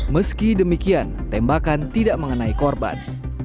meski demikian tembakan tidak mengenai korban